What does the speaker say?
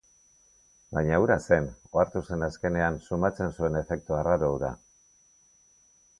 Baina hura zen, ohartu zen azkenean, sumatzen zuen efektu arraro hura.